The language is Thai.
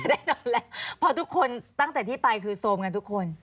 แนะนำแล้วเพราะทุกคนตั้งแต่ที่ไปคือโซมกันทุกคน